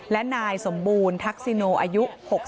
และนายสมบูรณ์ทักษิโนอายุ๖๐